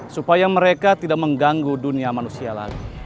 supaya mereka tidak mengganggu dunia manusia lagi